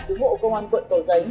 cứu hộ công an quận cầu giấy